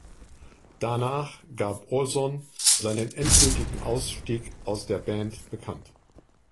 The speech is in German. Danach gab Olson seinen endgültigen Ausstieg aus der Band bekannt.